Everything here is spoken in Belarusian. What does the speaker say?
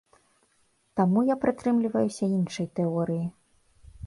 Таму я прытрымліваюся іншай тэорыі.